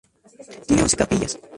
Tiene once capillas.